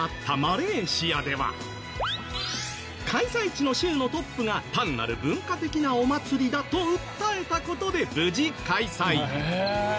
開催地の州のトップが単なる文化的なお祭りだと訴えた事で無事開催。